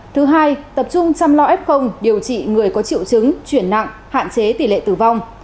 thứ hai tập trung chăm lo f điều trị người có triệu chứng chuyển nặng hạn chế tỷ lệ tử vong